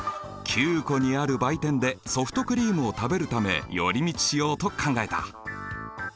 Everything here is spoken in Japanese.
湖にある売店でソフトクリームを食べるため寄り道しようと考えた。